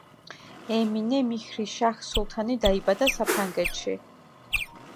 ემინე მიჰრიშაჰ სულთანი დაიბადა საფრანგეთში.